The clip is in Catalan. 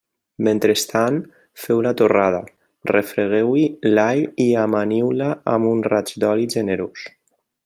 Mentrestant feu la torrada, refregueu-hi l'all i amaniu-la amb un raig d'oli generós.